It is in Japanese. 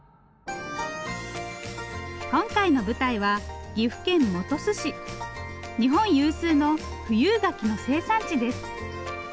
今回の舞台は日本有数の富有柿の生産地です。